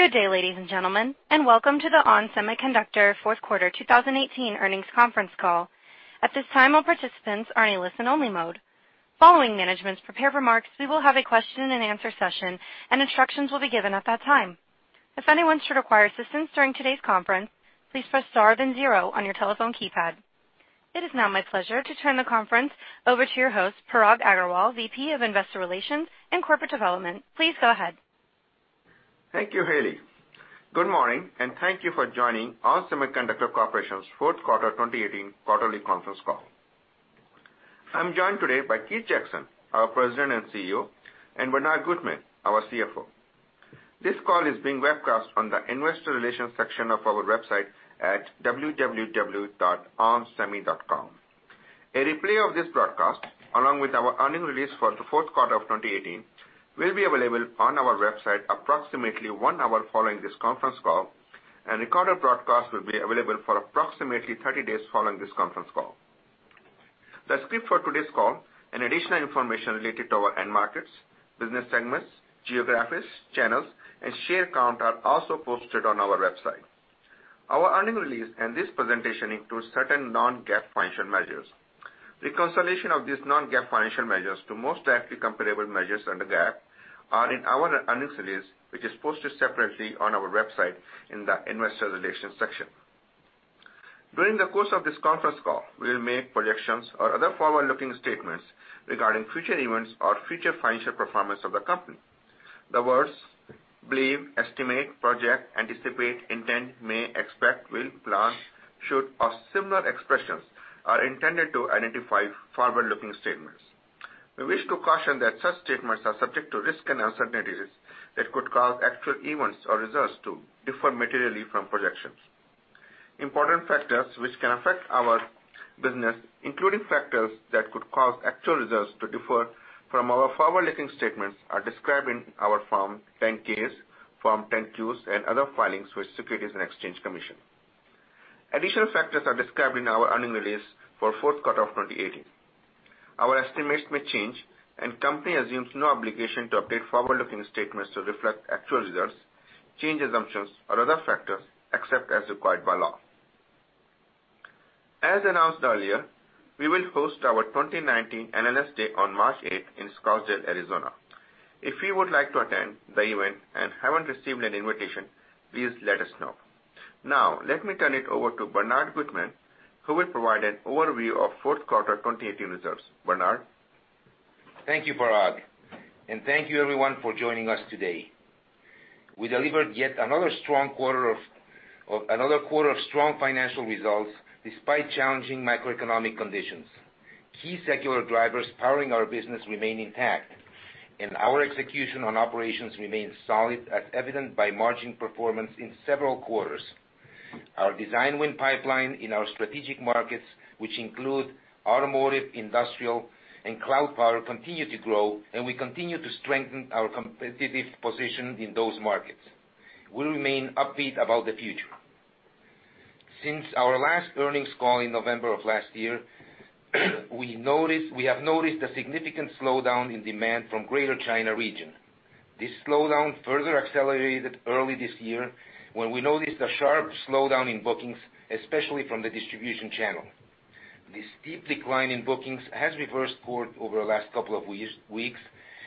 Good day, ladies and gentlemen, and welcome to the ON Semiconductor fourth quarter 2018 earnings conference call. At this time, all participants are in a listen-only mode. Following management's prepared remarks, we will have a question and answer session, and instructions will be given at that time. If anyone should require assistance during today's conference, please press star then zero on your telephone keypad. It is now my pleasure to turn the conference over to your host, Parag Agarwal, VP of Investor Relations and Corporate Development. Please go ahead. Thank you, Haley. Good morning, and thank you for joining ON Semiconductor Corporation's fourth quarter 2018 quarterly conference call. I'm joined today by Keith Jackson, our President and CEO, and Bernard Gutmann, our CFO. This call is being webcast on the investor relations section of our website at www.onsemi.com. A replay of this broadcast, along with our earnings release for the fourth quarter of 2018, will be available on our website approximately one hour following this conference call, and a recorded broadcast will be available for approximately 30 days following this conference call. The script for today's call and additional information related to our end markets, business segments, geographies, channels, and share count are also posted on our website. Our earnings release and this presentation includes certain non-GAAP financial measures. Reconciliation of these non-GAAP financial measures to most directly comparable measures under GAAP are in our earnings release, which is posted separately on our website in the investor relations section. During the course of this conference call, we'll make projections or other forward-looking statements regarding future events or future financial performance of the company. The words believe, estimate, project, anticipate, intend, may, expect, will, plan, should, or similar expressions are intended to identify forward-looking statements. We wish to caution that such statements are subject to risks and uncertainties that could cause actual events or results to differ materially from projections. Important factors which can affect our business, including factors that could cause actual results to differ from our forward-looking statements, are described in our Form 10-Ks, Form 10-Qs and other filings with Securities and Exchange Commission. Additional factors are described in our earnings release for fourth quarter of 2018. Our estimates may change, and company assumes no obligation to update forward-looking statements to reflect actual results, change assumptions or other factors, except as required by law. As announced earlier, we will host our 2019 Analyst Day on March 8th in Scottsdale, Arizona. If you would like to attend the event and haven't received an invitation, please let us know. Now, let me turn it over to Bernard Gutmann, who will provide an overview of fourth quarter 2018 results. Bernard? Thank you, Parag, and thank you everyone for joining us today. We delivered yet another quarter of strong financial results despite challenging macroeconomic conditions. Key secular drivers powering our business remain intact, and our execution on operations remains solid, as evident by margin performance in several quarters. Our design win pipeline in our strategic markets, which include automotive, industrial, and cloud power, continue to grow, and we continue to strengthen our competitive position in those markets. We remain upbeat about the future. Since our last earnings call in November of last year, we have noticed a significant slowdown in demand from Greater China region. This slowdown further accelerated early this year when we noticed a sharp slowdown in bookings, especially from the distribution channel. This steep decline in bookings has reversed course over the last couple of weeks,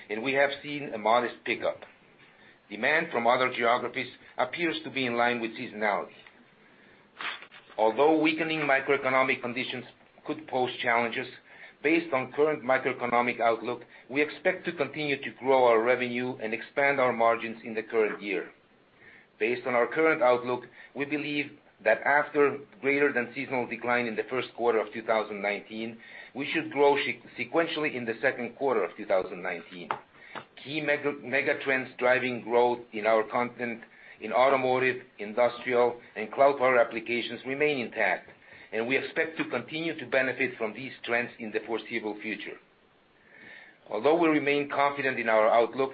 and we have seen a modest pickup. Demand from other geographies appears to be in line with seasonality. Although weakening macroeconomic conditions could pose challenges, based on current macroeconomic outlook, we expect to continue to grow our revenue and expand our margins in the current year. Based on our current outlook, we believe that after greater than seasonal decline in the first quarter of 2019, we should grow sequentially in the second quarter of 2019. Key megatrends driving growth in our content in automotive, industrial, and cloud power applications remain intact, and we expect to continue to benefit from these trends in the foreseeable future. Although we remain confident in our outlook,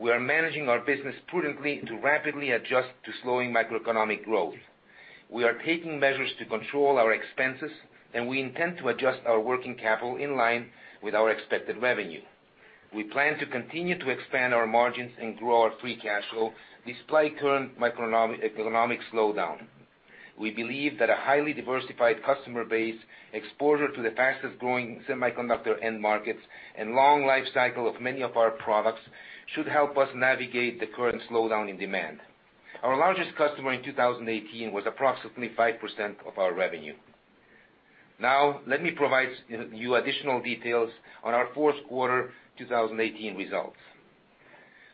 we are managing our business prudently to rapidly adjust to slowing macroeconomic growth. We are taking measures to control our expenses, and we intend to adjust our working capital in line with our expected revenue. We plan to continue to expand our margins and grow our free cash flow despite current economic slowdown. We believe that a highly diversified customer base, exposure to the fastest-growing semiconductor end markets, and long life cycle of many of our products should help us navigate the current slowdown in demand. Our largest customer in 2018 was approximately 5% of our revenue. Now, let me provide you additional details on our fourth quarter 2018 results.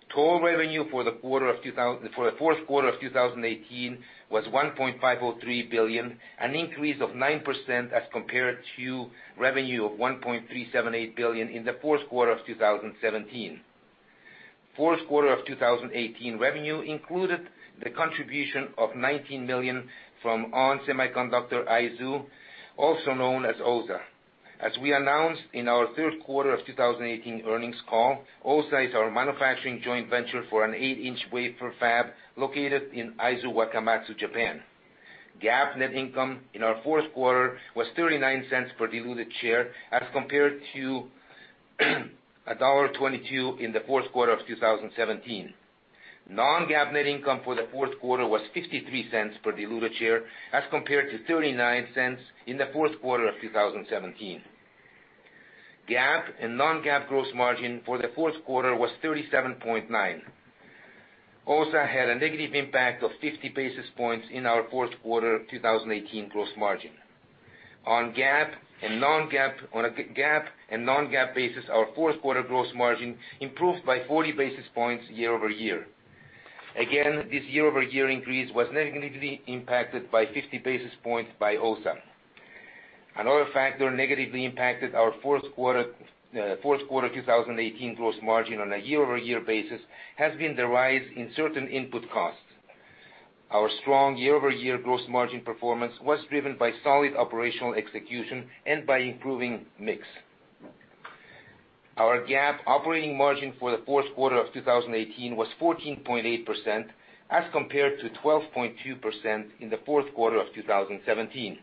Total revenue for the fourth quarter of 2018 was $1.503 billion, an increase of 9% as compared to revenue of $1.378 billion in the fourth quarter of 2017. Fourth quarter of 2018 revenue included the contribution of $19 million from ON Semiconductor Aizu, also known as OSA. As we announced in our third quarter of 2018 earnings call, OSA is our manufacturing joint venture for an eight-inch wafer fab located in Aizu Wakamatsu, Japan. GAAP net income in our fourth quarter was $0.39 per diluted share as compared to $1.22 in the fourth quarter of 2017. Non-GAAP net income for the fourth quarter was $0.53 per diluted share as compared to $0.39 in the fourth quarter of 2017. GAAP and non-GAAP gross margin for the fourth quarter was 37.9%. OSA had a negative impact of 50 basis points in our fourth quarter 2018 gross margin. On a GAAP and non-GAAP basis, our fourth quarter gross margin improved by 40 basis points year over year. Again, this year over year increase was negatively impacted by 50 basis points by OSA. Another factor negatively impacted our fourth quarter 2018 gross margin on a year-over-year basis, has been the rise in certain input costs. Our strong year-over-year gross margin performance was driven by solid operational execution and by improving mix. Our GAAP operating margin for the fourth quarter of 2018 was 14.8%, as compared to 12.2% in the fourth quarter of 2017.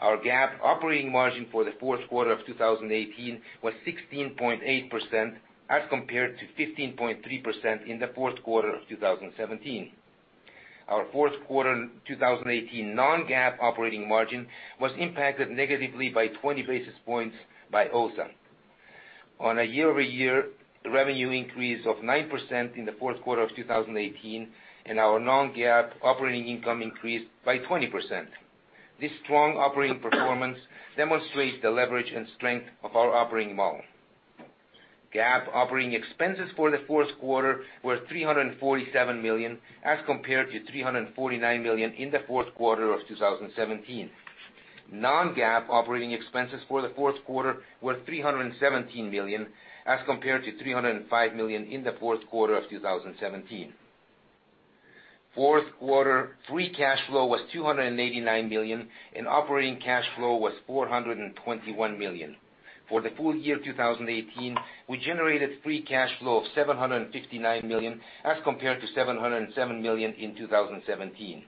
Our GAAP operating margin for the fourth quarter of 2018 was 16.8%, as compared to 15.3% in the fourth quarter of 2017. Our fourth quarter 2018 non-GAAP operating margin was impacted negatively by 20 basis points by OSA. On a year-over-year, the revenue increase of 9% in the fourth quarter of 2018, and our non-GAAP operating income increased by 20%. This strong operating performance demonstrates the leverage and strength of our operating model. GAAP operating expenses for the fourth quarter were $347 million, as compared to $349 million in the fourth quarter of 2017. Non-GAAP operating expenses for the fourth quarter were $317 million, as compared to $305 million in the fourth quarter of 2017. Fourth quarter free cash flow was $289 million, and operating cash flow was $421 million. For the full year 2018, we generated free cash flow of $759 million as compared to $707 million in 2017.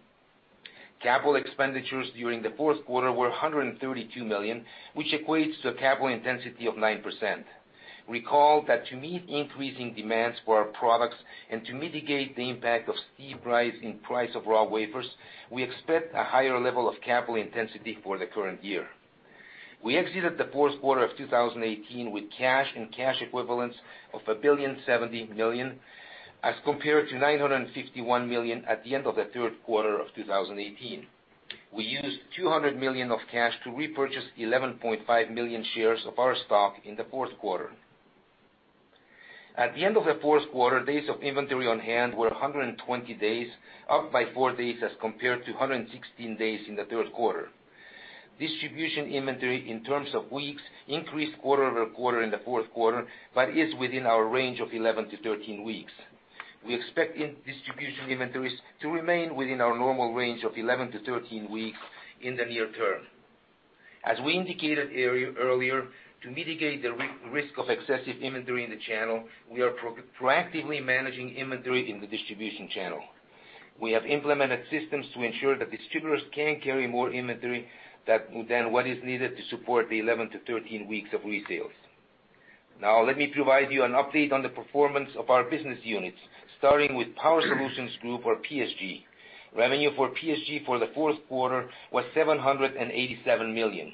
Capital expenditures during the fourth quarter were $132 million, which equates to a capital intensity of 9%. Recall that to meet increasing demands for our products and to mitigate the impact of steep rise in price of raw wafers, we expect a higher level of capital intensity for the current year. We exited the fourth quarter of 2018 with cash and cash equivalents of $1.07 billion as compared to $951 million at the end of the third quarter of 2018. We used $200 million of cash to repurchase 11.5 million shares of our stock in the fourth quarter. At the end of the fourth quarter, days of inventory on hand were 120 days, up by four days as compared to 116 days in the third quarter. Distribution inventory in terms of weeks increased quarter-over-quarter in the fourth quarter, but is within our range of 11-13 weeks. We expect distribution inventories to remain within our normal range of 11-13 weeks in the near term. As we indicated earlier, to mitigate the risk of excessive inventory in the channel, we are proactively managing inventory in the distribution channel. We have implemented systems to ensure that distributors can't carry more inventory than what is needed to support the 11-13 weeks of resales. Now, let me provide you an update on the performance of our business units, starting with Power Solutions Group, or PSG. Revenue for PSG for the fourth quarter was $787 million.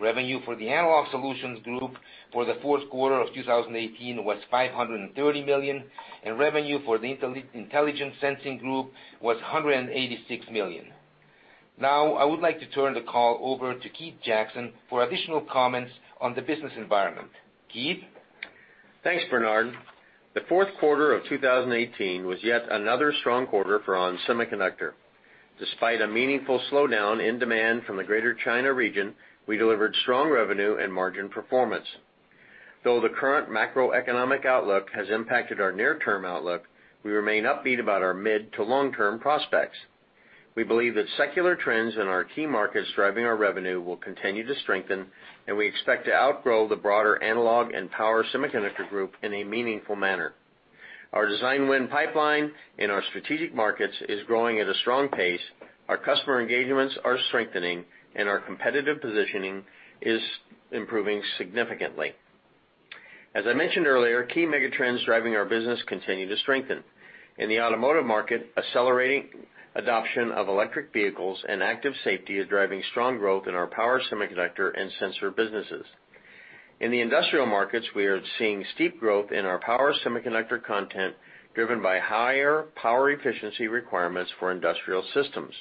Revenue for the Analog and Mixed-Signal Group for the fourth quarter of 2018 was $530 million, and revenue for the Intelligent Sensing Group was $186 million. Now, I would like to turn the call over to Keith Jackson for additional comments on the business environment. Keith? Thanks, Bernard. The fourth quarter of 2018 was yet another strong quarter for ON Semiconductor. Despite a meaningful slowdown in demand from the Greater China region, we delivered strong revenue and margin performance. Though the current macroeconomic outlook has impacted our near-term outlook, we remain upbeat about our mid-to-long-term prospects. We believe that secular trends in our key markets driving our revenue will continue to strengthen, and we expect to outgrow the broader analog and power semiconductor group in a meaningful manner. Our design win pipeline in our strategic markets is growing at a strong pace, our customer engagements are strengthening, and our competitive positioning is improving significantly. As I mentioned earlier, key mega trends driving our business continue to strengthen. In the automotive market, accelerating adoption of electric vehicles and active safety is driving strong growth in our power semiconductor and sensor businesses. In the industrial markets, we are seeing steep growth in our power semiconductor content driven by higher power efficiency requirements for industrial systems.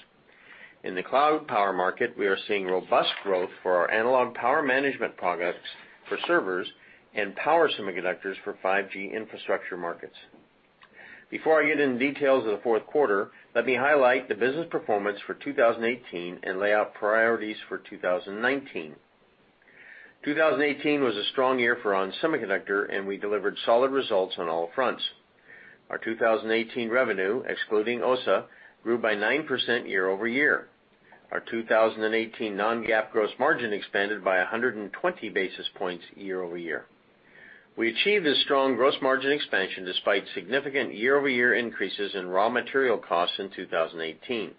In the cloud power market, we are seeing robust growth for our analog power management products for servers and power semiconductors for 5G infrastructure markets. Before I get into the details of the fourth quarter, let me highlight the business performance for 2018 and lay out priorities for 2019. 2018 was a strong year for ON Semiconductor, and we delivered solid results on all fronts. Our 2018 revenue, excluding OSA, grew by 9% year-over-year. Our 2018 non-GAAP gross margin expanded by 120 basis points year-over-year. We achieved a strong gross margin expansion despite significant year-over-year increases in raw material costs in 2018.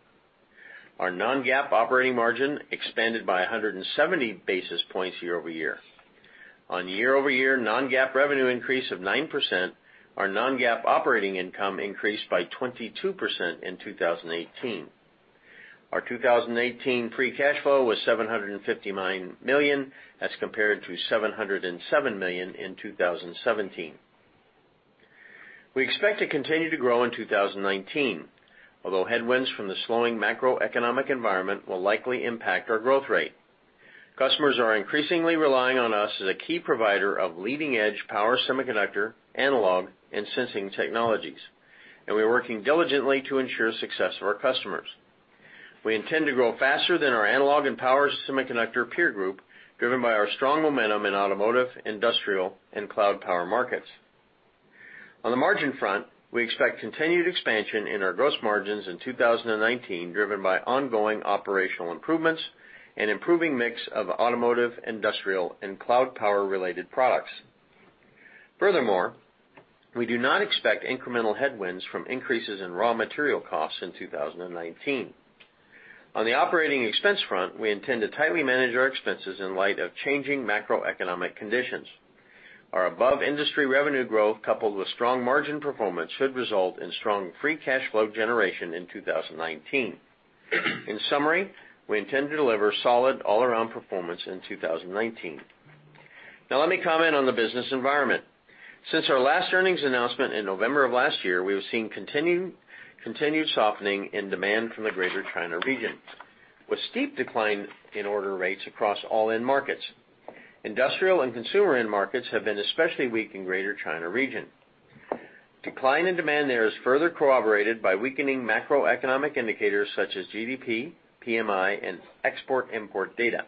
Our non-GAAP operating margin expanded by 170 basis points year-over-year. On year-over-year non-GAAP revenue increase of 9%, our non-GAAP operating income increased by 22% in 2018. Our 2018 free cash flow was $759 million as compared to $707 million in 2017. We expect to continue to grow in 2019, although headwinds from the slowing macroeconomic environment will likely impact our growth rate. Customers are increasingly relying on us as a key provider of leading-edge power semiconductor, analog, and sensing technologies, and we are working diligently to ensure success for our customers. We intend to grow faster than our analog and power semiconductor peer group, driven by our strong momentum in automotive, industrial, and cloud power markets. On the margin front, we expect continued expansion in our gross margins in 2019, driven by ongoing operational improvements, and improving mix of automotive, industrial, and cloud power-related products. Furthermore, we do not expect incremental headwinds from increases in raw material costs in 2019. On the operating expense front, we intend to tightly manage our expenses in light of changing macroeconomic conditions. Our above-industry revenue growth, coupled with strong margin performance, should result in strong free cash flow generation in 2019. In summary, we intend to deliver solid all-around performance in 2019. Let me comment on the business environment. Since our last earnings announcement in November of last year, we have seen continued softening in demand from the Greater China region, with steep decline in order rates across all end markets. Industrial and consumer end markets have been especially weak in Greater China region. Decline in demand there is further corroborated by weakening macroeconomic indicators such as GDP, PMI, and export-import data.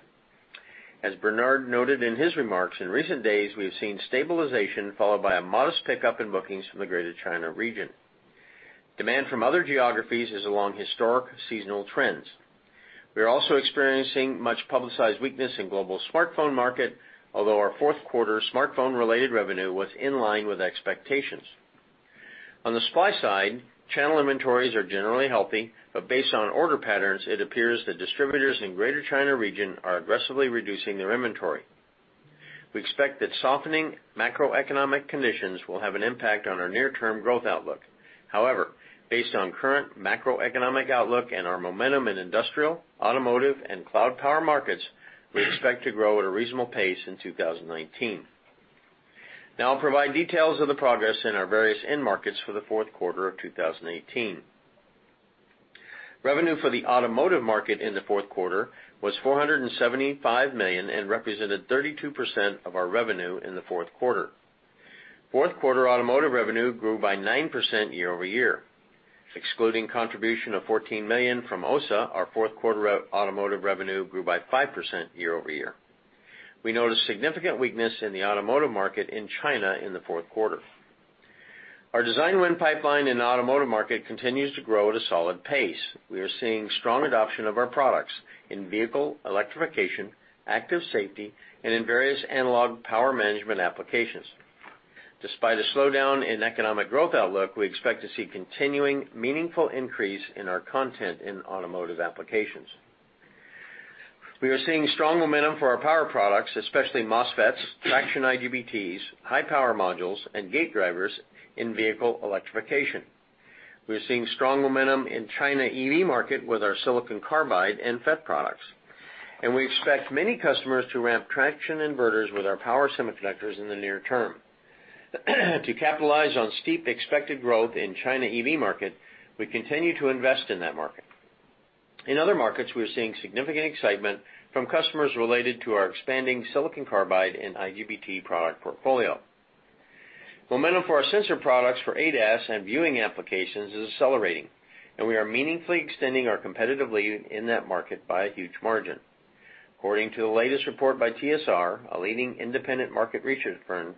As Bernard noted in his remarks, in recent days, we have seen stabilization followed by a modest pickup in bookings from the Greater China region. Demand from other geographies is along historic seasonal trends. We are also experiencing much-publicized weakness in global smartphone market, although our fourth quarter smartphone-related revenue was in line with expectations. On the supply side, channel inventories are generally healthy, but based on order patterns, it appears that distributors in Greater China region are aggressively reducing their inventory. We expect that softening macroeconomic conditions will have an impact on our near-term growth outlook. However, based on current macroeconomic outlook and our momentum in industrial, automotive, and cloud power markets, we expect to grow at a reasonable pace in 2019. Now I'll provide details of the progress in our various end markets for the fourth quarter of 2018. Revenue for the automotive market in the fourth quarter was $475 million and represented 32% of our revenue in the fourth quarter. Fourth quarter automotive revenue grew by 9% year-over-year. Excluding contribution of $14 million from OSA, our fourth quarter automotive revenue grew by 5% year-over-year. We noticed significant weakness in the automotive market in China in the fourth quarter. Our design win pipeline in automotive market continues to grow at a solid pace. We are seeing strong adoption of our products in vehicle electrification, active safety, and in various analog power management applications. Despite a slowdown in economic growth outlook, we expect to see continuing meaningful increase in our content in automotive applications. We are seeing strong momentum for our power products, especially MOSFETs, traction IGBTs, high power modules, and gate drivers in vehicle electrification. We are seeing strong momentum in China EV market with our silicon carbide and FET products, and we expect many customers to ramp traction inverters with our power semiconductors in the near term. To capitalize on steep expected growth in China EV market, we continue to invest in that market. In other markets, we are seeing significant excitement from customers related to our expanding silicon carbide and IGBT product portfolio. Momentum for our sensor products for ADAS and viewing applications is accelerating, and we are meaningfully extending our competitive lead in that market by a huge margin. According to the latest report by TSR, a leading independent market research firm,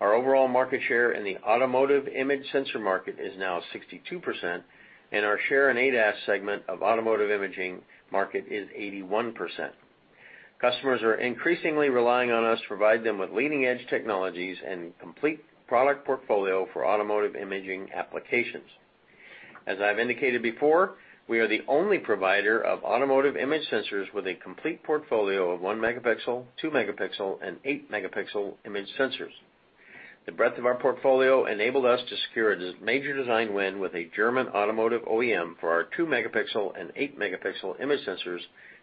our overall market share in the automotive image sensor market is now 62%, and our share in ADAS segment of automotive imaging market is 81%. Customers are increasingly relying on us to provide them with leading-edge technologies and complete product portfolio for automotive imaging applications. As I've indicated before, we are the only provider of automotive image sensors with a complete portfolio of 1 megapixel, 2 megapixel, and 8 megapixel image sensors. The breadth of our portfolio enabled us to secure a major design win with a German automotive OEM for our 2 megapixel and 8 megapixel image sensors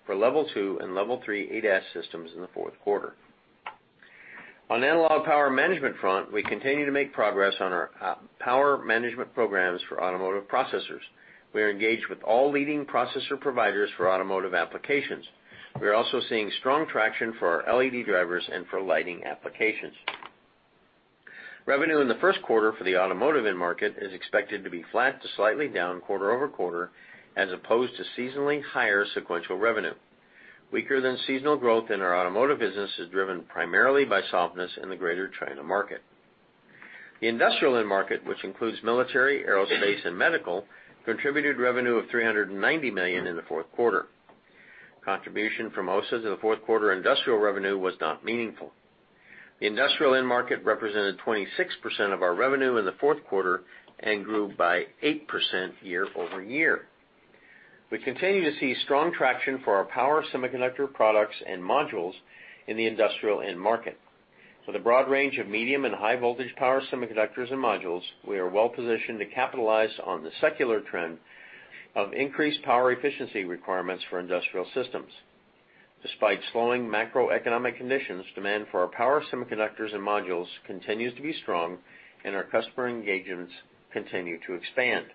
for level 2 and level 3 ADAS systems in the fourth quarter. On analog power management front, we continue to make progress on our power management programs for automotive processors. We are engaged with all leading processor providers for automotive applications. We are also seeing strong traction for our LED drivers and for lighting applications. Revenue in the first quarter for the automotive end market is expected to be flat to slightly down quarter-over-quarter as opposed to seasonally higher sequential revenue. Weaker than seasonal growth in our automotive business is driven primarily by softness in the Greater China market. The industrial end market, which includes military, aerospace, and medical, contributed revenue of $390 million in the fourth quarter. Contribution from OSA to the fourth quarter industrial revenue was not meaningful. The industrial end market represented 26% of our revenue in the fourth quarter and grew by 8% year-over-year. We continue to see strong traction for our power semiconductor products and modules in the industrial end market. With a broad range of medium and high voltage power semiconductors and modules, we are well positioned to capitalize on the secular trend of increased power efficiency requirements for industrial systems. Despite slowing macroeconomic conditions, demand for our power semiconductors and modules continues to be strong, and our customer engagements continue to expand.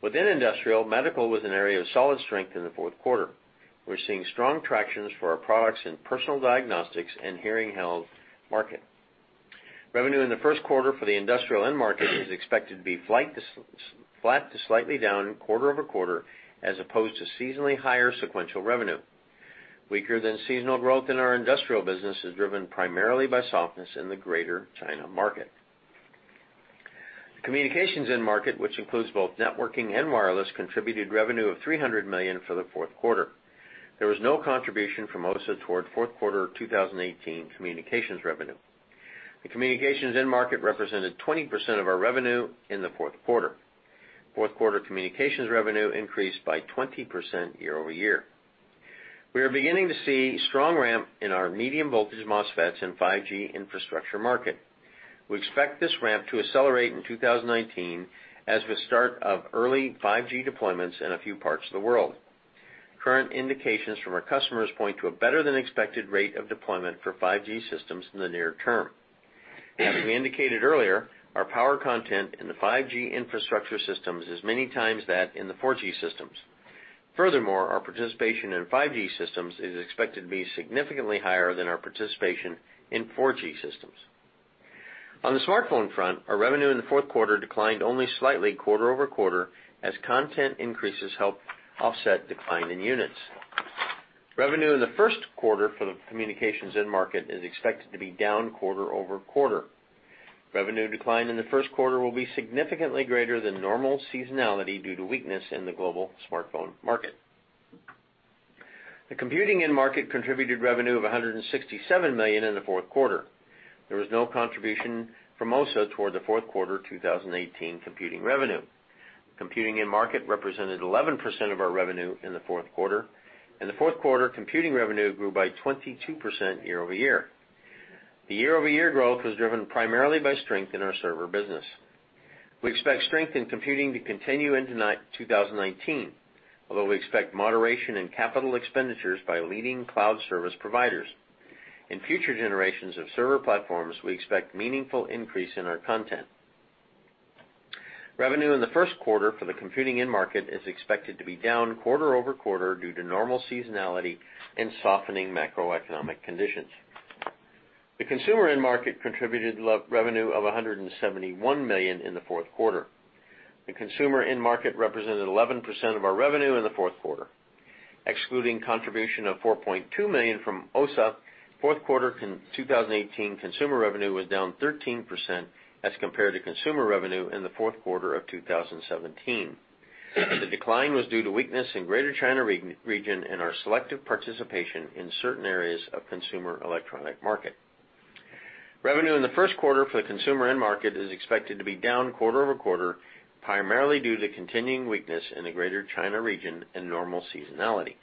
Within industrial, medical was an area of solid strength in the fourth quarter. We're seeing strong traction for our products in personal diagnostics and hearing health market. Revenue in the first quarter for the industrial end market is expected to be flat to slightly down quarter-over-quarter, as opposed to seasonally higher sequential revenue. Weaker than seasonal growth in our industrial business is driven primarily by softness in the Greater China market. The communications end market, which includes both networking and wireless, contributed revenue of $300 million for the fourth quarter. There was no contribution from OSA toward fourth quarter 2018 communications revenue. The communications end market represented 20% of our revenue in the fourth quarter. Fourth quarter communications revenue increased by 20% year-over-year. We are beginning to see strong ramp in our medium-voltage MOSFETs and 5G infrastructure market. We expect this ramp to accelerate in 2019, as with start of early 5G deployments in a few parts of the world. Current indications from our customers point to a better than expected rate of deployment for 5G systems in the near term. As we indicated earlier, our power content in the 5G infrastructure systems is many times that in the 4G systems. Furthermore, our participation in 5G systems is expected to be significantly higher than our participation in 4G systems. On the smartphone front, our revenue in the fourth quarter declined only slightly quarter-over-quarter, as content increases help offset decline in units. Revenue in the first quarter for the communications end market is expected to be down quarter-over-quarter. Revenue decline in the first quarter will be significantly greater than normal seasonality due to weakness in the global smartphone market. The computing end market contributed revenue of $167 million in the fourth quarter. There was no contribution from OSA toward the fourth quarter 2018 computing revenue. Computing end market represented 11% of our revenue in the fourth quarter, and the fourth quarter computing revenue grew by 22% year-over-year. The year-over-year growth was driven primarily by strength in our server business. We expect strength in computing to continue into 2019, although we expect moderation in capital expenditures by leading cloud service providers. In future generations of server platforms, we expect meaningful increase in our content. Revenue in the first quarter for the computing end market is expected to be down quarter-over-quarter due to normal seasonality and softening macroeconomic conditions. The consumer end market contributed revenue of $171 million in the fourth quarter. The consumer end market represented 11% of our revenue in the fourth quarter. Excluding contribution of $4.2 million from OSA, fourth quarter 2018 consumer revenue was down 13% as compared to consumer revenue in the fourth quarter of 2017. The decline was due to weakness in Greater China region and our selective participation in certain areas of consumer electronic market. Revenue in the first quarter for the consumer end market is expected to be down quarter-over-quarter, primarily due to continuing weakness in the Greater China region and normal seasonality.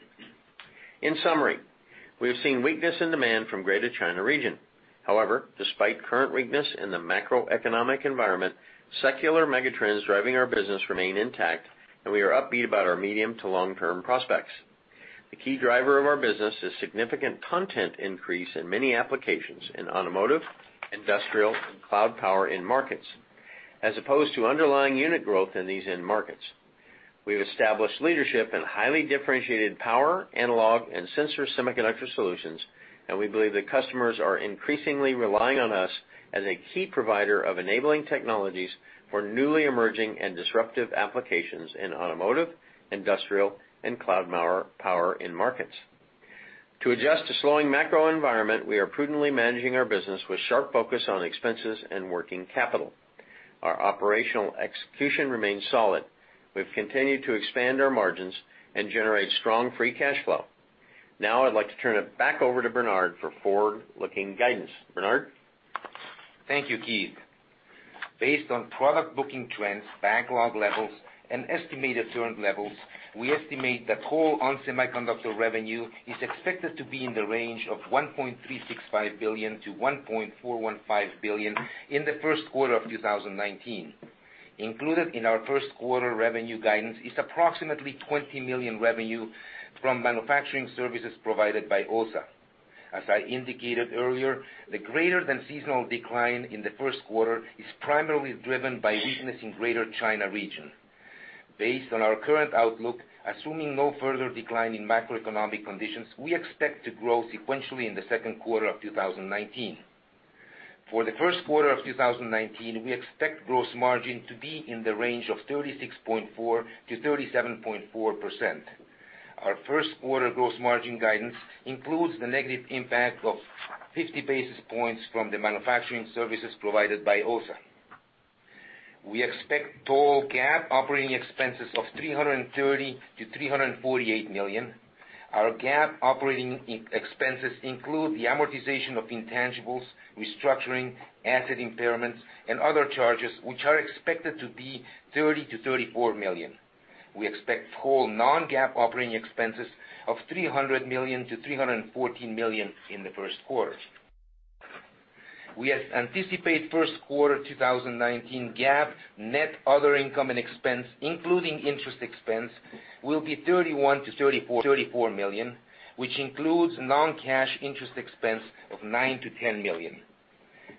In summary, we have seen weakness in demand from Greater China region. However, despite current weakness in the macroeconomic environment, secular megatrends driving our business remain intact, and we are upbeat about our medium to long-term prospects. The key driver of our business is significant content increase in many applications in automotive, industrial, and cloud power end markets, as opposed to underlying unit growth in these end markets. We've established leadership in highly differentiated power, analog, and sensor semiconductor solutions. We believe that customers are increasingly relying on us as a key provider of enabling technologies for newly emerging and disruptive applications in automotive, industrial, and cloud power end markets. To adjust to slowing macro environment, we are prudently managing our business with sharp focus on expenses and working capital. Our operational execution remains solid. We've continued to expand our margins and generate strong free cash flow. I'd like to turn it back over to Bernard for forward-looking guidance. Bernard? Thank you, Keith. Based on product booking trends, backlog levels, and estimated current levels, we estimate that whole ON Semiconductor revenue is expected to be in the range of $1.365 billion-$1.415 billion in the first quarter of 2019. Included in our first quarter revenue guidance is approximately $20 million revenue from manufacturing services provided by OSA. As I indicated earlier, the greater than seasonal decline in the first quarter is primarily driven by weakness in Greater China region. Based on our current outlook, assuming no further decline in macroeconomic conditions, we expect to grow sequentially in the second quarter of 2019. For the first quarter of 2019, we expect gross margin to be in the range of 36.4%-37.4%. Our first quarter gross margin guidance includes the negative impact of 50 basis points from the manufacturing services provided by OSA. We expect total GAAP operating expenses of $330 million-$348 million. Our GAAP operating expenses include the amortization of intangibles, restructuring, asset impairments, and other charges, which are expected to be $30 million-$34 million. We expect total non-GAAP operating expenses of $300 million-$314 million in the first quarter. We anticipate first quarter 2019 GAAP net other income and expense, including interest expense, will be $31 million-$34 million, which includes non-cash interest expense of $9 million-$10 million.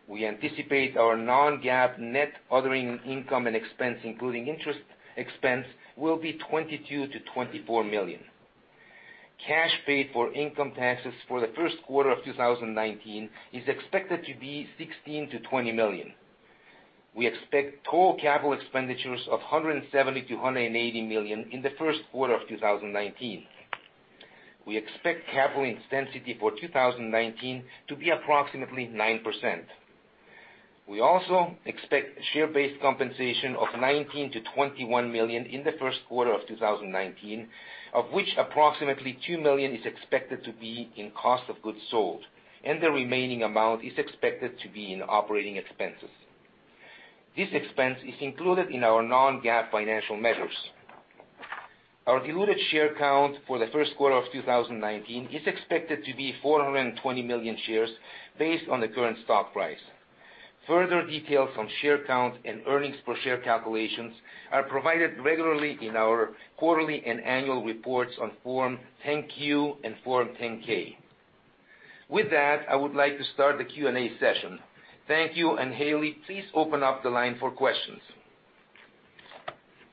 We anticipate our non-GAAP net other income and expense, including interest expense, will be $22 million-$24 million. Cash paid for income taxes for the first quarter of 2019 is expected to be $16 million-$20 million. We expect total capital expenditures of $170 million-$180 million in the first quarter of 2019. We expect capital intensity for 2019 to be approximately 9%. We also expect share-based compensation of $19 million-$21 million in the first quarter of 2019, of which approximately $2 million is expected to be in cost of goods sold, and the remaining amount is expected to be in operating expenses. This expense is included in our non-GAAP financial measures. Our diluted share count for the first quarter of 2019 is expected to be 420 million shares based on the current stock price. Further details on share count and earnings per share calculations are provided regularly in our quarterly and annual reports on Form 10-Q and Form 10-K. With that, I would like to start the Q&A session. Thank you, Haley, please open up the line for questions.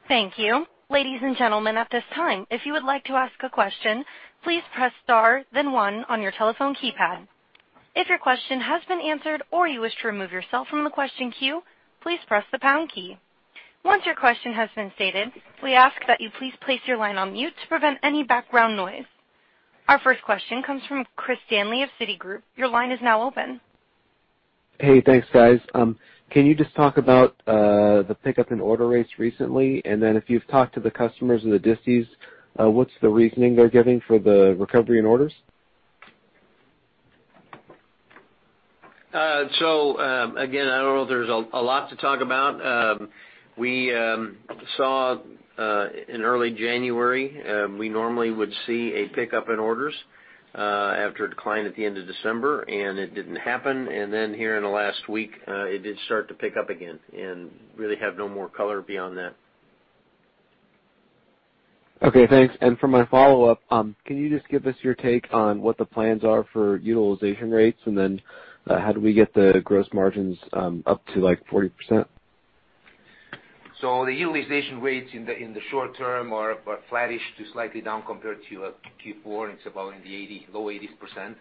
Thank you. Ladies and gentlemen, at this time, if you would like to ask a question, please press star then one on your telephone keypad. If your question has been answered or you wish to remove yourself from the question queue, please press the pound key. Once your question has been stated, we ask that you please place your line on mute to prevent any background noise. Our first question comes from Christopher Danely of Citigroup. Your line is now open. Hey, thanks guys. Can you just talk about the pickup in order rates recently? Then if you've talked to the customers and the distis, what's the reasoning they're giving for the recovery in orders? Again, I don't know if there's a lot to talk about. We saw in early January, we normally would see a pickup in orders after a decline at the end of December, and it didn't happen. Then here in the last week, it did start to pick up again, and really have no more color beyond that. Okay, thanks. For my follow-up, can you just give us your take on what the plans are for utilization rates? How do we get the gross margins up to 40%? The utilization rates in the short term are flattish to slightly down compared to Q4, it's about in the low 80s%.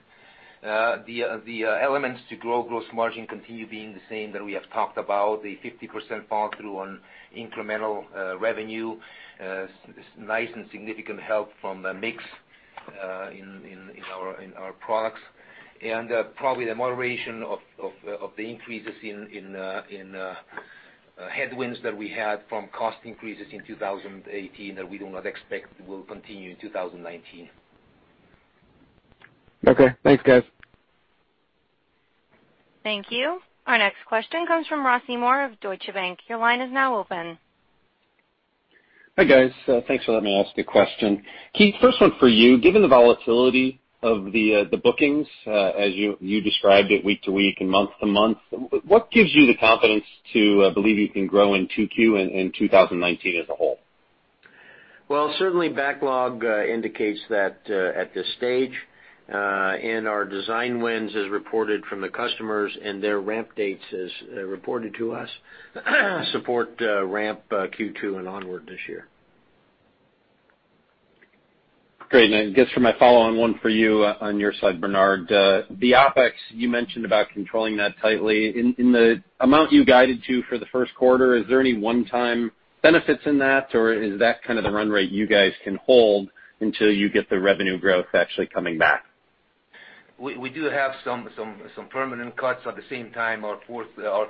The elements to grow gross margin continue being the same that we have talked about. The 50% pass-through on incremental revenue, nice and significant help from the mix in our products. Probably the moderation of the increases in headwinds that we had from cost increases in 2018 that we do not expect will continue in 2019. Okay, thanks guys. Thank you. Our next question comes from Ross Seymore of Deutsche Bank. Your line is now open. Hi, guys. Thanks for letting me ask a question. Keith, first one for you. Given the volatility of the bookings, as you described it week to week and month to month, what gives you the confidence to believe you can grow in 2Q and 2019 as a whole? Well, certainly backlog indicates that at this stage, our design wins as reported from the customers and their ramp dates as reported to us support ramp Q2 and onward this year. Great. I guess for my follow-on one for you on your side, Bernard. The OpEx, you mentioned about controlling that tightly. In the amount you guided to for the first quarter, is there any one-time benefits in that, or is that kind of the run rate you guys can hold until you get the revenue growth actually coming back? We do have some permanent cuts. At the same time, our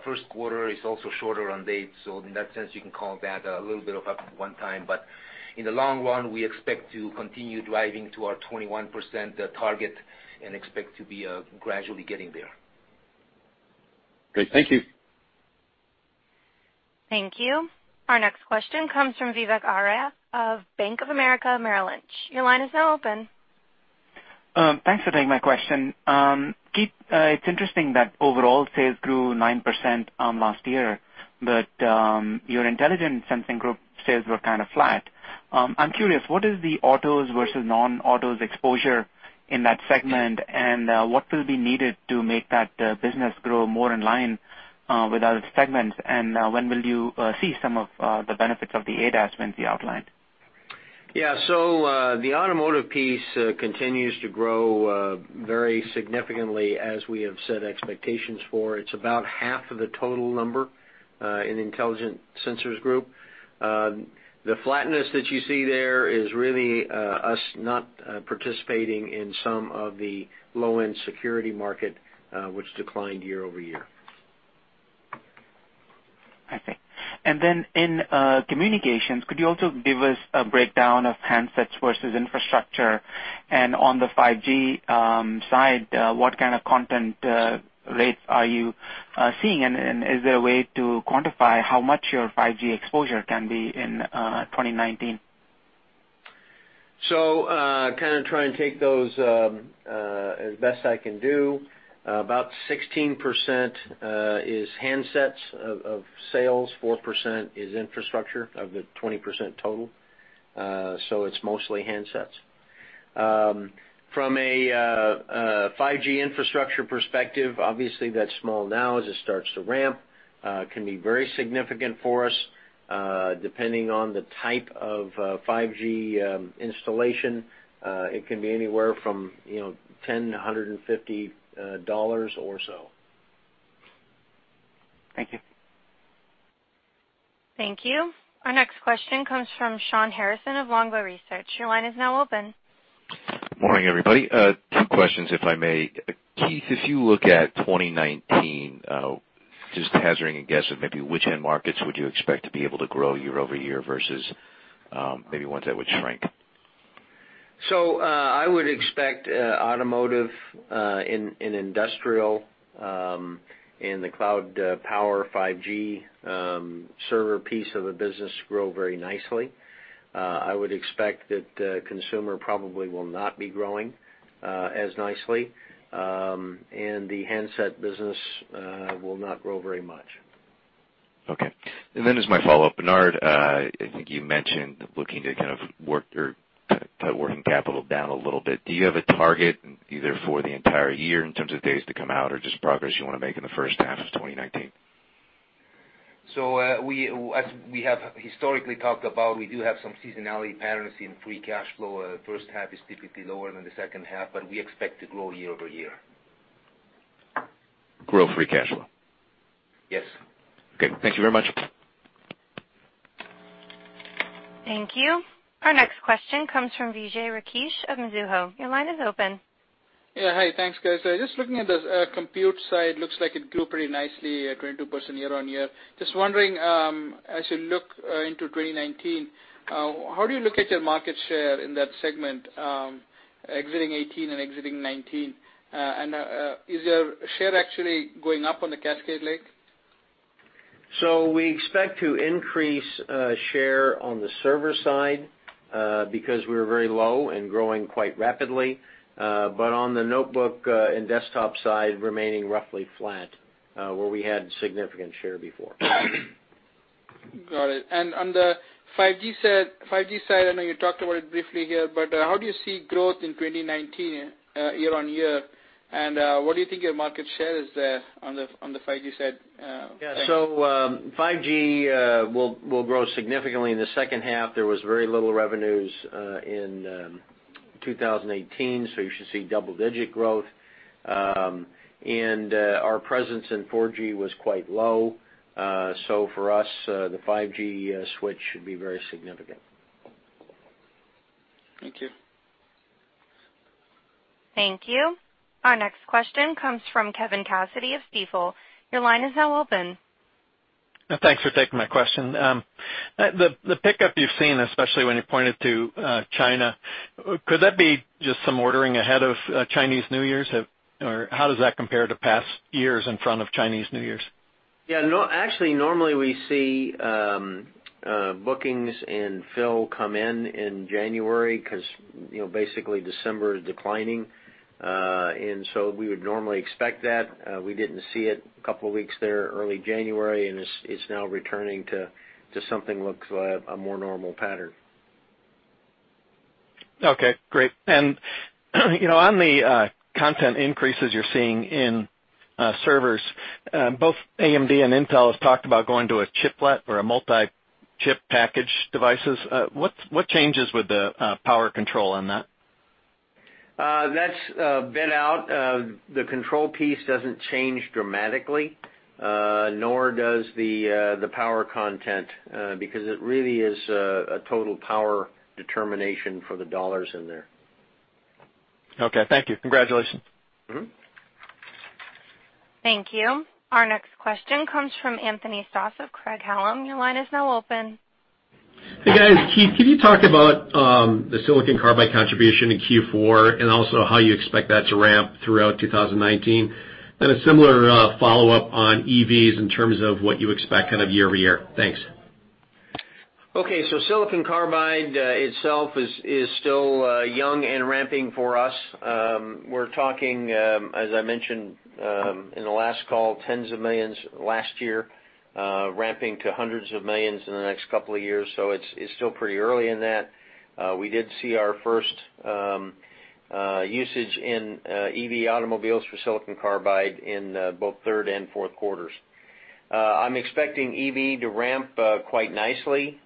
first quarter is also shorter on dates, so in that sense, you can call that a little bit of a one time. In the long run, we expect to continue driving to our 21% target and expect to be gradually getting there. Great. Thank you. Thank you. Our next question comes from Vivek Arya of Bank of America Merrill Lynch. Your line is now open. Thanks for taking my question. Keith, it's interesting that overall sales grew 9% last year, but your Intelligent Sensing Group sales were kind of flat. I'm curious, what is the autos versus non-autos exposure in that segment, and what will be needed to make that business grow more in line with other segments? When will you see some of the benefits of the ADAS wins you outlined? Yeah. The automotive piece continues to grow very significantly as we have set expectations for. It's about half of the total number in Intelligent Sensing Group. The flatness that you see there is really us not participating in some of the low-end security market, which declined year-over-year. I see. In communications, could you also give us a breakdown of handsets versus infrastructure? On the 5G side, what kind of content rates are you seeing, and is there a way to quantify how much your 5G exposure can be in 2019? Kind of trying to take those as best I can do. About 16% is handsets of sales, 4% is infrastructure of the 20% total. It's mostly handsets. From a 5G infrastructure perspective, obviously that's small now. As it starts to ramp, can be very significant for us, depending on the type of 5G installation, it can be anywhere from $10-$150 or so. Thank you. Thank you. Our next question comes from Shawn Harrison of Longbow Research. Your line is now open. Morning, everybody. Two questions, if I may. Keith, if you look at 2019, just hazarding a guess of maybe which end markets would you expect to be able to grow year-over-year versus maybe ones that would shrink? I would expect automotive and industrial and the cloud power 5G server piece of the business grow very nicely. I would expect that consumer probably will not be growing as nicely. The handset business will not grow very much. Okay. As my follow-up, Bernard, I think you mentioned looking to cut working capital down a little bit. Do you have a target either for the entire year in terms of days to come out or just progress you want to make in the first half of 2019? As we have historically talked about, we do have some seasonality patterns in free cash flow. First half is typically lower than the second half, we expect to grow year-over-year. Grow free cash flow? Yes. Okay. Thank you very much. Thank you. Our next question comes from Vijay Rakesh of Mizuho. Your line is open. Yeah. Hi. Thanks, guys. Just looking at the compute side, looks like it grew pretty nicely at 22% year-on-year. Just wondering, as you look into 2019, how do you look at your market share in that segment, exiting 2018 and exiting 2019? Is your share actually going up on the Cascade Lake? We expect to increase share on the server side, because we're very low and growing quite rapidly. On the notebook and desktop side, remaining roughly flat, where we had significant share before. Got it. On the 5G side, I know you talked about it briefly here, but how do you see growth in 2019 year-on-year, and what do you think your market share is there on the 5G side? Thanks. Yeah. 5G will grow significantly in the second half. There was very little revenues in 2018, so you should see double-digit growth. Our presence in 4G was quite low. For us, the 5G switch should be very significant. Thank you. Thank you. Our next question comes from Kevin Cassidy of Stifel. Your line is now open. Thanks for taking my question. The pickup you've seen, especially when you pointed to China, could that be just some ordering ahead of Chinese New Year? How does that compare to past years in front of Chinese New Year? Yeah, no. Actually, normally we see bookings and fill come in in January because basically December is declining. We would normally expect that. We didn't see it couple weeks there early January, it's now returning to something looks like a more normal pattern. Okay, great. On the content increases you're seeing in servers, both AMD and Intel have talked about going to a chiplet or a multi-chip package devices. What changes with the power control in that? That's been out. The control piece doesn't change dramatically, nor does the power content, because it really is a total power determination for the dollars in there. Okay, thank you. Congratulations. Thank you. Our next question comes from Anthony Stoss of Craig-Hallum. Your line is now open. Hey, guys. Keith, can you talk about the silicon carbide contribution in Q4, also how you expect that to ramp throughout 2019? A similar follow-up on EVs in terms of what you expect kind of year-over-year. Thanks. Okay. silicon carbide itself is still young and ramping for us. We're talking, as I mentioned in the last call, tens of millions last year, ramping to hundreds of millions in the next couple of years, it's still pretty early in that. We did see our first usage in EV automobiles for silicon carbide in both third and fourth quarters. I'm expecting EV to ramp quite nicely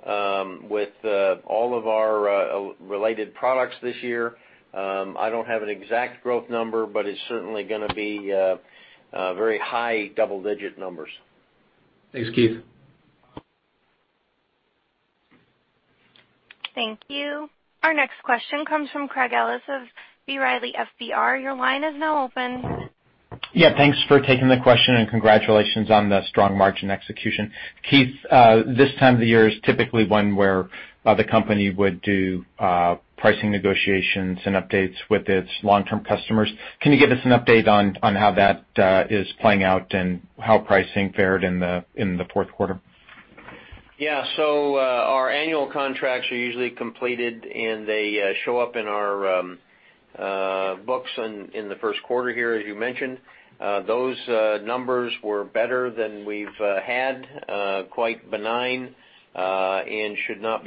with all of our related products this year. I don't have an exact growth number, but it's certainly going to be very high double-digit numbers. Thanks, Keith. Thank you. Our next question comes from Craig Ellis of B. Riley FBR. Your line is now open. Yeah. Thanks for taking the question, congratulations on the strong margin execution. Keith, this time of the year is typically one where the company would do pricing negotiations and updates with its long-term customers. Can you give us an update on how that is playing out and how pricing fared in the fourth quarter? Yeah. Our annual contracts are usually completed, and they show up in our books in the first quarter here, as you mentioned. Those numbers were better than we've had, quite benign, and should not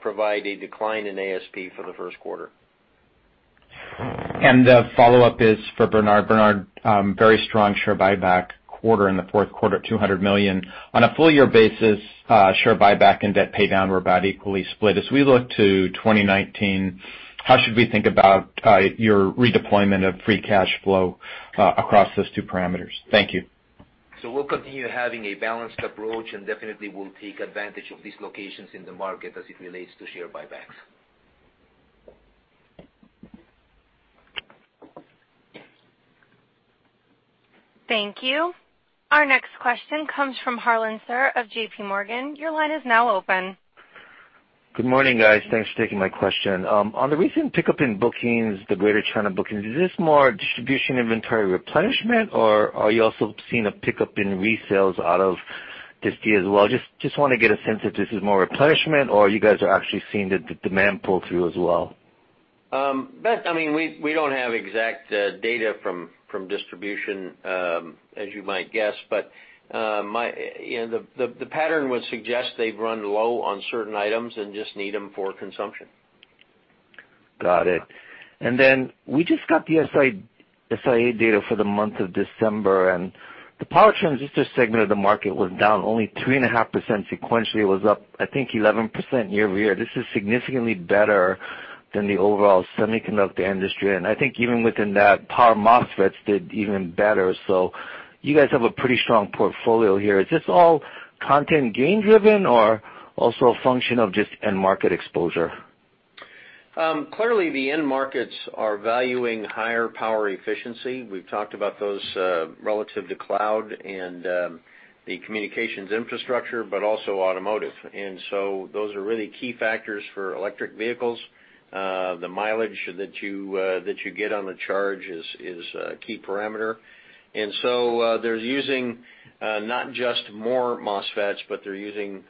provide a decline in ASP for the first quarter. The follow-up is for Bernard. Bernard, very strong share buyback quarter in the fourth quarter at $200 million. On a full-year basis, share buyback and debt pay down were about equally split. As we look to 2019, how should we think about your redeployment of free cash flow across those two parameters? Thank you. We'll continue having a balanced approach, and definitely we'll take advantage of these locations in the market as it relates to share buybacks. Thank you. Our next question comes from Harlan Sur of JP Morgan. Your line is now open. Good morning, guys. Thanks for taking my question. On the recent pickup in bookings, the greater China bookings, is this more distribution inventory replenishment, or are you also seeing a pickup in resales out of disti as well? Just want to get a sense if this is more replenishment or you guys are actually seeing the demand pull through as well. We don't have exact data from distribution, as you might guess, but the pattern would suggest they've run low on certain items and just need them for consumption. Got it. We just got the SIA data for the month of December, and the power transistor segment of the market was down only 3.5% sequentially. It was up, I think, 11% year-over-year. This is significantly better than the overall semiconductor industry. I think even within that, power MOSFETs did even better. You guys have a pretty strong portfolio here. Is this all content gain driven or also a function of just end market exposure? Clearly, the end markets are valuing higher power efficiency. We've talked about those relative to cloud and the communications infrastructure, but also automotive. Those are really key factors for electric vehicles. The mileage that you get on the charge is a key parameter. They're using not just more MOSFETs, but they're using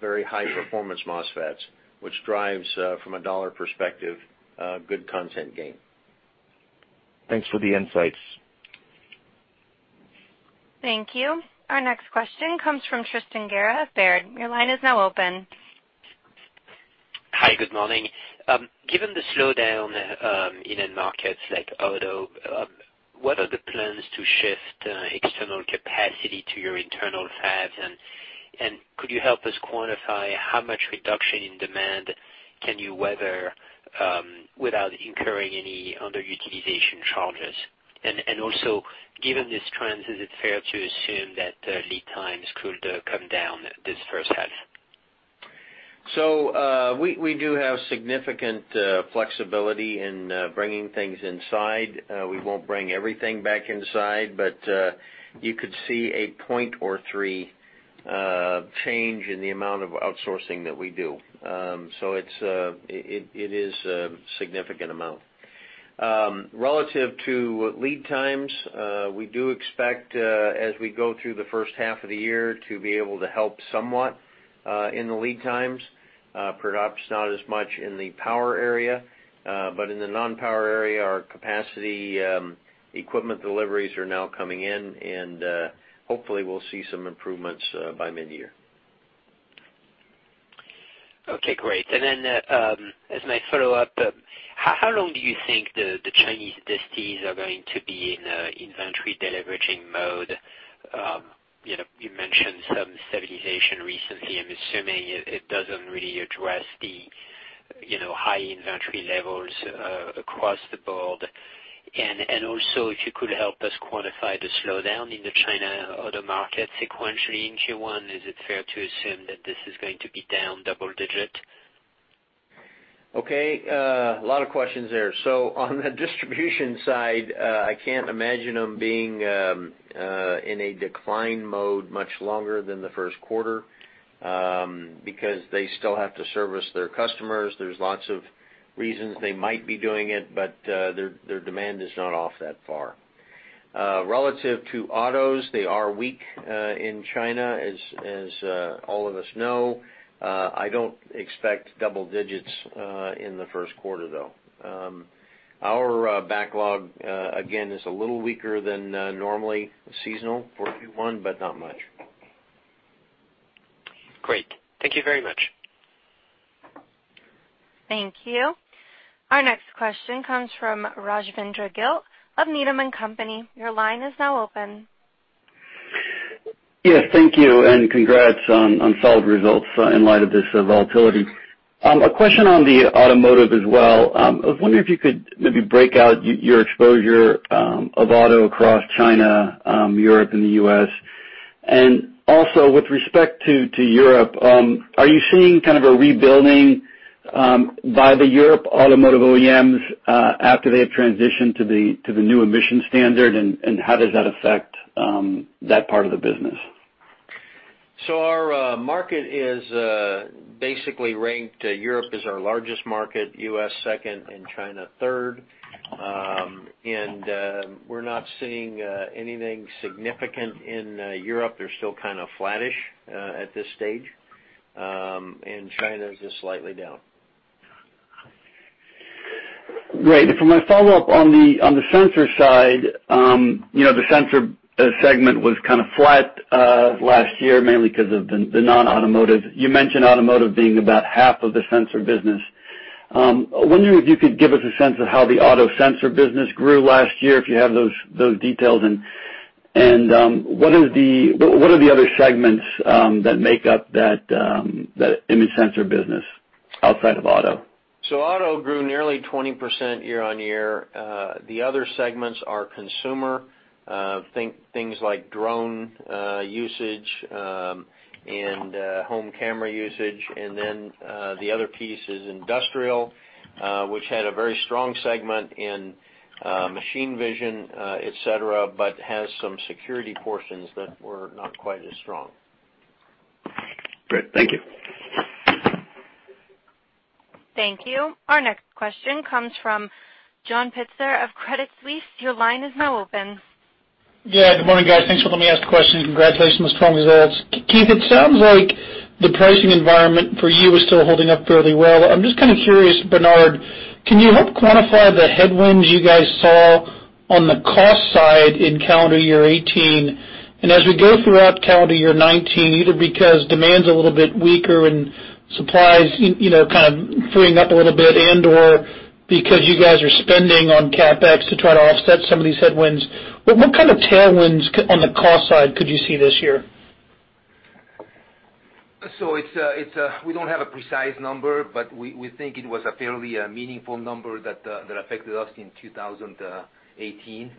very high performance MOSFETs, which drives, from a dollar perspective, good content gain. Thanks for the insights. Thank you. Our next question comes from Tristan Gerra of Baird. Your line is now open. Hi. Good morning. Given the slowdown in end markets like auto, what are the plans to shift external capacity to your internal fabs? Could you help us quantify how much reduction in demand can you weather without incurring any underutilization charges? Also, given these trends, is it fair to assume that lead times could come down this first half? We do have significant flexibility in bringing things inside. We won't bring everything back inside, but you could see a point or three change in the amount of outsourcing that we do. It is a significant amount. Relative to lead times, we do expect, as we go through the first half of the year, to be able to help somewhat in the lead times. Perhaps not as much in the power area, but in the non-power area, our capacity equipment deliveries are now coming in, and hopefully we'll see some improvements by mid-year. Okay, great. As my follow-up, how long do you think the Chinese distis are going to be in inventory deleveraging mode? You mentioned some stabilization recently. I'm assuming it doesn't really address the high inventory levels across the board. Also, if you could help us quantify the slowdown in the China auto market sequentially in Q1. Is it fair to assume that this is going to be down double digit? Okay. A lot of questions there. On the distribution side, I can't imagine them being in a decline mode much longer than the first quarter, because they still have to service their customers. There's lots of reasons they might be doing it, but their demand is not off that far. Relative to autos, they are weak in China, as all of us know. I don't expect double digits in the first quarter, though. Our backlog, again, is a little weaker than normally seasonal for Q1, but not much. Great. Thank you very much. Thank you. Our next question comes from Rajvindra Gill of Needham & Company. Your line is now open. Yes, thank you. Congrats on solid results in light of this volatility. A question on the automotive as well. I was wondering if you could maybe break out your exposure of auto across China, Europe, and the U.S. Also, with respect to Europe, are you seeing kind of a rebuilding by the Europe automotive OEMs after they have transitioned to the new emission standard, and how does that affect that part of the business? Our market is basically ranked, Europe is our largest market, U.S. second, and China third. We're not seeing anything significant in Europe. They're still kind of flattish at this stage. China is just slightly down. Great. For my follow-up on the sensor side, the sensor segment was kind of flat last year, mainly because of the non-automotive. You mentioned automotive being about half of the sensor business. I wonder if you could give us a sense of how the auto sensor business grew last year, if you have those details. What are the other segments that make up that image sensor business outside of auto? Auto grew nearly 20% year-over-year. The other segments are consumer, things like drone usage and home camera usage. The other piece is industrial, which had a very strong segment in machine vision, et cetera, but has some security portions that were not quite as strong. Great. Thank you. Thank you. Our next question comes from John Pitzer of Credit Suisse. Your line is now open. Good morning, guys. Thanks for letting me ask the question. Congratulations on the strong results. Keith, it sounds like the pricing environment for you is still holding up fairly well. I am just kind of curious, Bernard, can you help quantify the headwinds you guys saw on the cost side in calendar year 2018? As we go throughout calendar year 2019, either because demand is a little bit weaker and supply is kind of freeing up a little bit and/or because you guys are spending on CapEx to try to offset some of these headwinds, what kind of tailwinds on the cost side could you see this year? We don't have a precise number, but we think it was a fairly meaningful number that affected us in 2018,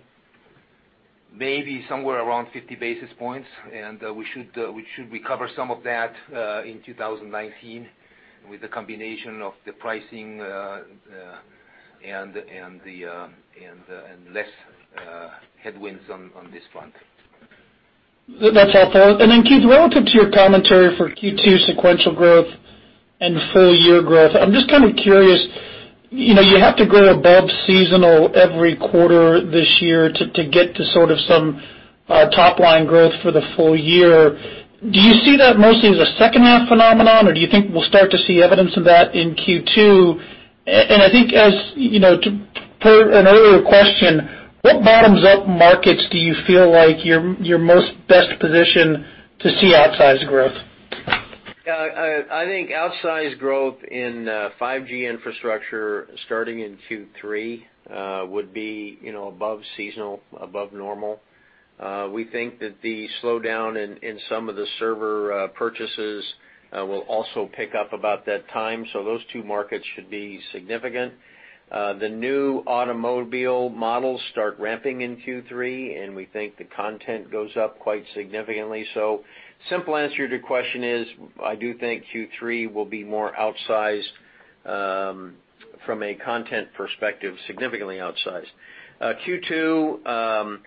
maybe somewhere around 50 basis points. We should recover some of that in 2019 with the combination of the pricing and less headwinds on this front. That's helpful. Keith, relative to your commentary for Q2 sequential growth and full year growth, I'm just kind of curious, you have to grow above seasonal every quarter this year to get to sort of some top-line growth for the full year. Do you see that mostly as a second half phenomenon, or do you think we'll start to see evidence of that in Q2? I think as per an earlier question, what bottoms-up markets do you feel like you're most best positioned to see outsized growth? I think outsized growth in 5G infrastructure starting in Q3 would be above seasonal, above normal. We think that the slowdown in some of the server purchases will also pick up about that time. Those two markets should be significant. The new automobile models start ramping in Q3, we think the content goes up quite significantly. Simple answer to your question is, I do think Q3 will be more outsized from a content perspective, significantly outsized. Q2,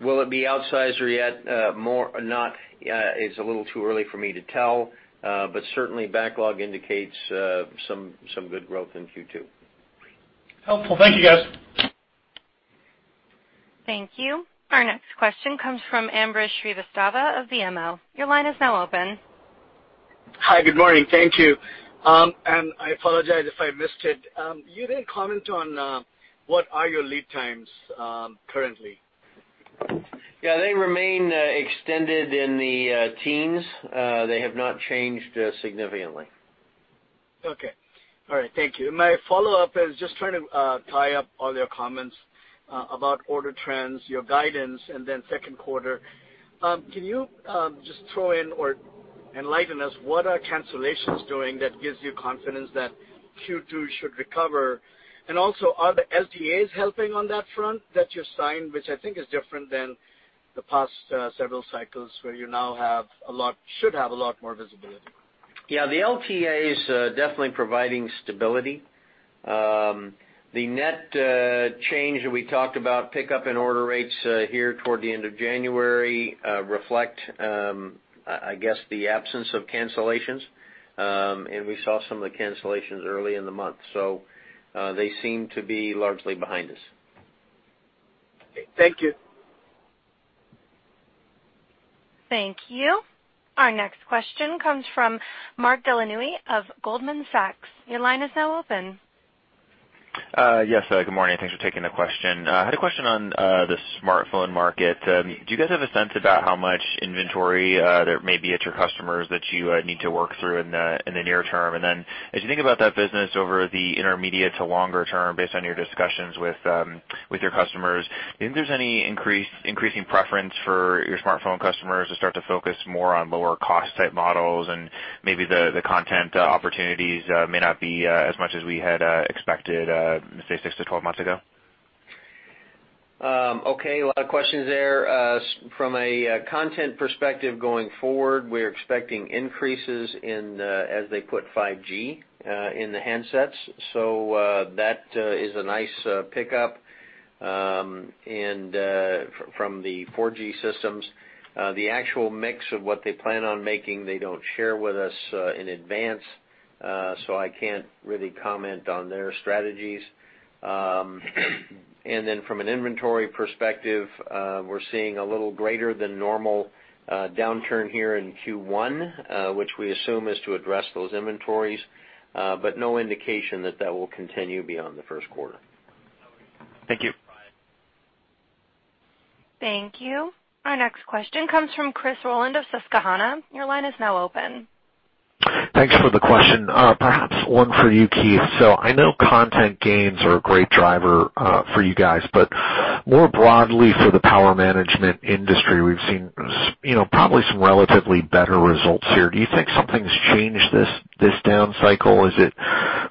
will it be outsized or yet more not? It's a little too early for me to tell, but certainly backlog indicates some good growth in Q2. Helpful. Thank you, guys. Thank you. Our next question comes from Ambrish Srivastava of BMO. Your line is now open. Hi. Good morning. Thank you. I apologize if I missed it. You didn't comment on what are your lead times currently? They remain extended in the teens. They have not changed significantly. Okay. All right. Thank you. My follow-up is just trying to tie up all your comments about order trends, your guidance, then second quarter. Can you just throw in or enlighten us, what are cancellations doing that gives you confidence that Q2 should recover? Also, are the LTAs helping on that front that you signed, which I think is different than the past several cycles where you now should have a lot more visibility? The LTA is definitely providing stability. The net change that we talked about, pickup in order rates here toward the end of January, reflect I guess the absence of cancellations. We saw some of the cancellations early in the month, they seem to be largely behind us. Okay. Thank you. Thank you. Our next question comes from Mark Delaney of Goldman Sachs. Your line is now open. Yes, good morning. Thanks for taking the question. I had a question on the smartphone market. Do you guys have a sense about how much inventory there may be at your customers that you need to work through in the near term? As you think about that business over the intermediate to longer term, based on your discussions with your customers, do you think there's any increasing preference for your smartphone customers to start to focus more on lower cost-type models and maybe the content opportunities may not be as much as we had expected, say, 6-12 months ago? Okay, a lot of questions there. From a content perspective going forward, we're expecting increases in, as they put 5G in the handsets. That is a nice pickup from the 4G systems. The actual mix of what they plan on making, they don't share with us in advance, so I can't really comment on their strategies. From an inventory perspective, we're seeing a little greater than normal downturn here in Q1, which we assume is to address those inventories. No indication that that will continue beyond the first quarter. Thank you. Thank you. Our next question comes from Christopher Rolland of Susquehanna. Your line is now open. Thanks for the question. Perhaps one for you, Keith. I know content gains are a great driver for you guys, but more broadly for the power management industry, we've seen probably some relatively better results here. Do you think something's changed this down cycle? Is it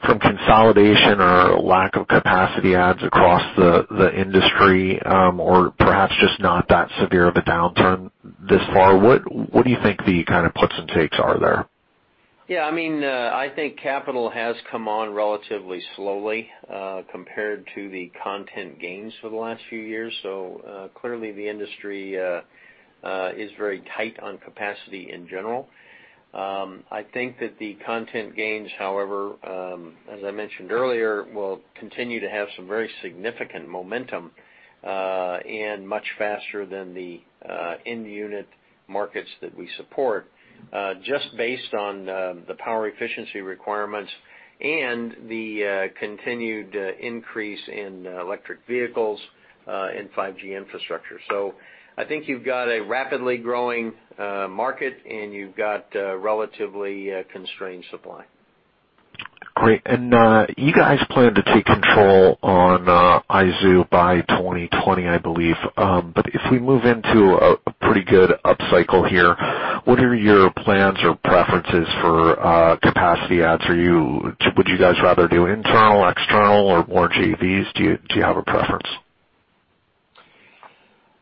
from consolidation or lack of capacity adds across the industry, or perhaps just not that severe of a downturn this far? What do you think the kind of puts and takes are there? Yeah. I think capital has come on relatively slowly, compared to the content gains for the last few years. Clearly the industry is very tight on capacity in general. I think that the content gains, however, as I mentioned earlier, will continue to have some very significant momentum, and much faster than the end unit markets that we support, just based on the power efficiency requirements and the continued increase in electric vehicles, and 5G infrastructure. I think you've got a rapidly growing market, and you've got relatively constrained supply. Great. You guys plan to take control on Aizu by 2020, I believe. If we move into a pretty good upcycle here, what are your plans or preferences for capacity adds? Would you guys rather do internal, external or more JVs? Do you have a preference?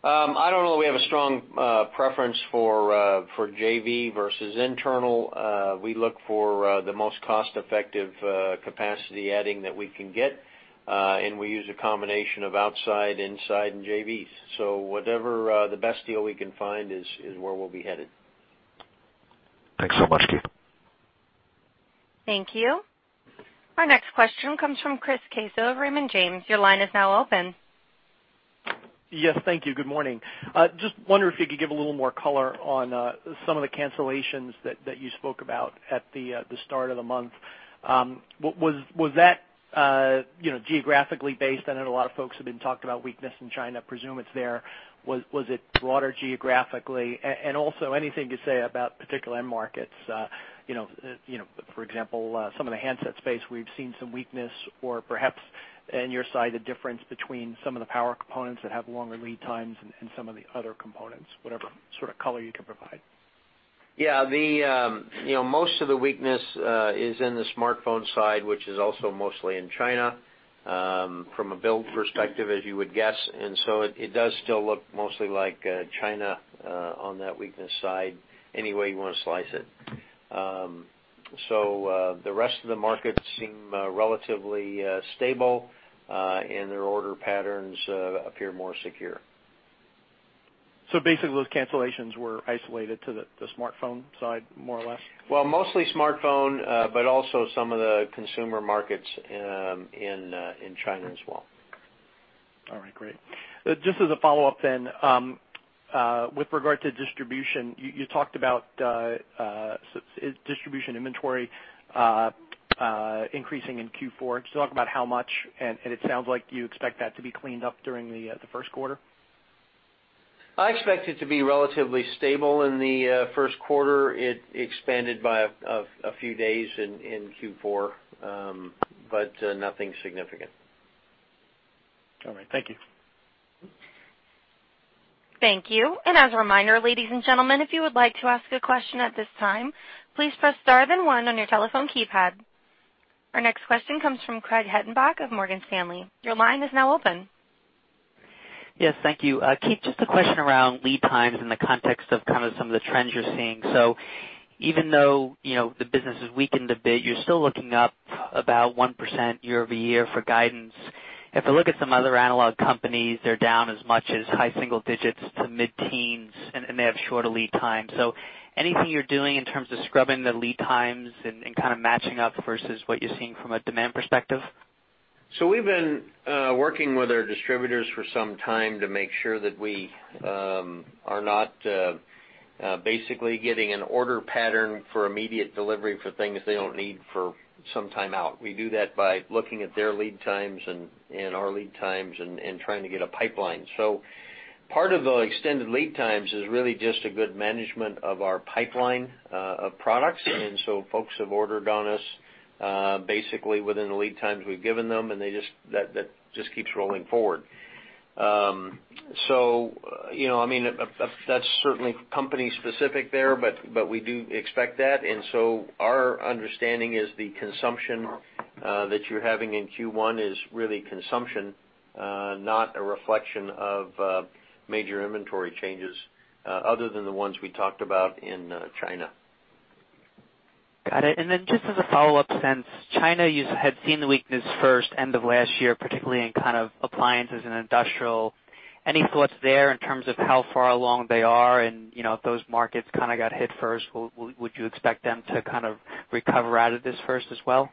I don't know that we have a strong preference for JV versus internal. We look for the most cost-effective capacity adding that we can get, we use a combination of outside, inside, and JVs. Whatever the best deal we can find is where we'll be headed. Thanks so much, Keith. Thank you. Our next question comes from Chris Caso, Raymond James. Your line is now open. Yes, thank you. Good morning. Just wonder if you could give a little more color on some of the cancellations that you spoke about at the start of the month. Was that geographically based? I know a lot of folks have been talking about weakness in China, presume it's there. Was it broader geographically? Also, anything to say about particular end markets, for example, some of the handset space, we've seen some weakness or perhaps in your side, the difference between some of the power components that have longer lead times and some of the other components, whatever sort of color you can provide. Yeah. Most of the weakness is in the smartphone side, which is also mostly in China, from a build perspective, as you would guess. It does still look mostly like China on that weakness side, any way you want to slice it. The rest of the markets seem relatively stable, and their order patterns appear more secure. Basically, those cancellations were isolated to the smartphone side, more or less? Well, mostly smartphone, but also some of the consumer markets in China as well. All right, great. Just as a follow-up, with regard to distribution, you talked about distribution inventory increasing in Q4. Could you talk about how much? It sounds like you expect that to be cleaned up during the first quarter? I expect it to be relatively stable in the first quarter. It expanded by a few days in Q4. Nothing significant. All right. Thank you. Thank you. As a reminder, ladies and gentlemen, if you would like to ask a question at this time, please press star then one on your telephone keypad. Our next question comes from Craig Hettenbach of Morgan Stanley. Your line is now open. Yes, thank you, Keith. Just a question around lead times in the context of kind of some of the trends you're seeing. Even though the business has weakened a bit, you're still looking up about 1% year-over-year for guidance. If I look at some other analog companies, they're down as much as high single digits to mid-teens, and they have shorter lead times. Anything you're doing in terms of scrubbing the lead times and kind of matching up versus what you're seeing from a demand perspective? We've been working with our distributors for some time to make sure that we are not basically getting an order pattern for immediate delivery for things they don't need for some time out. We do that by looking at their lead times and our lead times and trying to get a pipeline. Part of the extended lead times is really just a good management of our pipeline of products. Folks have ordered on us, basically within the lead times we've given them, and that just keeps rolling forward. That's certainly company specific there, but we do expect that. Our understanding is the consumption that you're having in Q1 is really consumption, not a reflection of major inventory changes, other than the ones we talked about in China. Got it. Just as a follow-up, since China, you had seen the weakness first end of last year, particularly in kind of appliances and industrial. Any thoughts there in terms of how far along they are and if those markets kind of got hit first, would you expect them to kind of recover out of this first as well?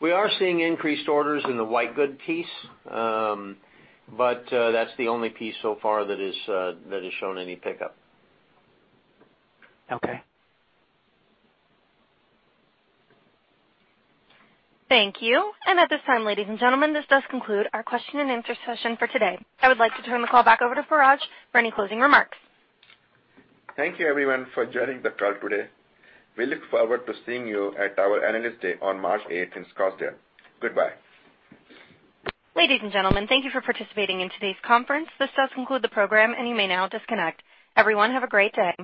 We are seeing increased orders in the white good piece. That's the only piece so far that has shown any pickup. Okay. Thank you. At this time, ladies and gentlemen, this does conclude our question and answer session for today. I would like to turn the call back over to Parag for any closing remarks. Thank you everyone for joining the call today. We look forward to seeing you at our Analyst Day on March 8th in Scottsdale. Goodbye. Ladies and gentlemen, thank you for participating in today's conference. This does conclude the program, and you may now disconnect. Everyone, have a great day.